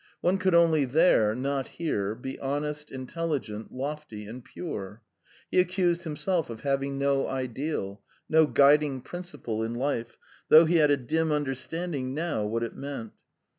One could only there not here be honest, intelligent, lofty, and pure. He accused himself of having no ideal, no guiding principle in life, though he had a dim understanding now what it meant.